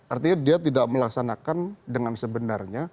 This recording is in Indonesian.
artinya dia didag demand pola asuh yang sudah